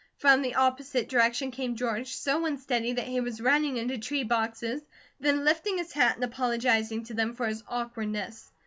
From the opposite direction came George, so unsteady that he was running into tree boxes, then lifting his hat and apologizing to them for his awkwardness.